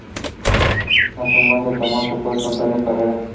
A su muerte, tomó su puesto Antonio Carrera.